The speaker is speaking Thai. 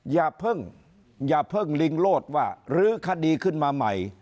อย่าเพิ่งอย่าเพิ่งลิงโลดว่ารื้อคดีขึ้นมาใหม่